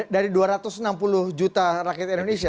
dari dua ratus enam puluh juta rakyat indonesia